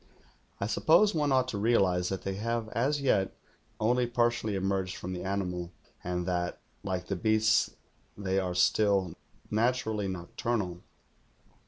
120 THE GHOUL suppose one ought to realize that they have as yet only partially emerged from the animal, and that, like the beasts, they are still naturally nocturnal.